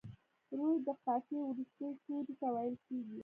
روي د قافیې وروستي توري ته ویل کیږي.